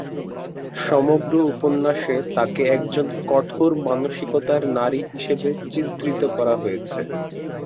সমগ্র উপন্যাসে তাকে একজন কঠোর মানসিকতার নারী হিসেবে চিত্রিত করা হয়েছে।